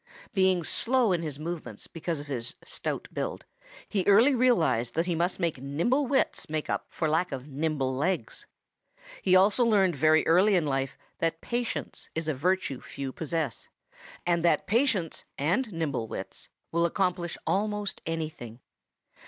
"Being slow in his movements because of his stout build, he early realized that he must make nimble wits make up for the lack of nimble legs. He also learned very early in life that patience is a virtue few possess, and that patience and nimble wits will accomplish almost anything.